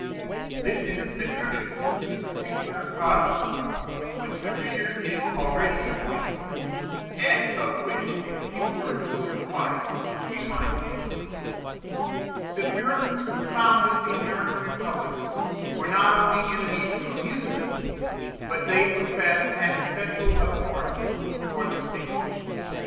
This is attributable to peculiar causes, which the reader is already acquainted with, and of which a few words will suffice to remind him. The Puritans who founded the American republics were not only enemies to amusements, but they professed an especial abhorrence for the stage.